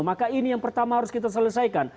maka ini yang pertama harus kita selesaikan